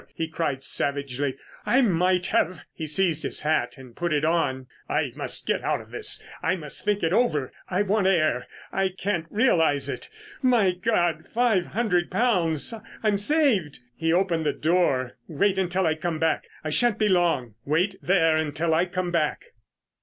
he cried savagely. "I might have——" He seized his hat and put it on. "I must get out of this. I must think it over. I want air. I can't realise it.... My God, five hundred pounds! I'm saved." He opened the door. "Wait until I come back. I shan't be long. Wait there until I come back."